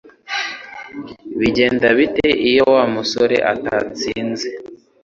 Bigenda bite iyo Wa musore atatsinze